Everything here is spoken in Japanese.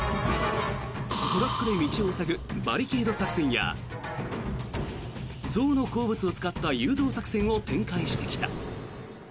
トラックで道を塞ぐバリケード作戦や象の好物を使った誘導作戦を展開してきた。